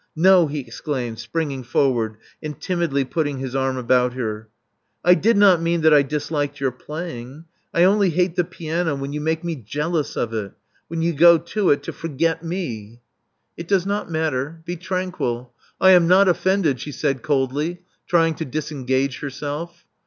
"No," he exclaimed, springing forward, and timidly putting his arm about her, "I did not mean that I disliked your playing. I only hate the piano when you make me jealous of it — when you go to it to forget me.*' 412 Love Among the Artists It does not matter. Be tranquil. I am not offended," she said coldly, trying to disengage herself.